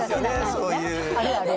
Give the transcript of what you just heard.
そういう。